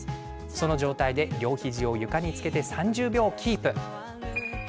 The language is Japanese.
その状態で両肘を床につけて３０秒キープ。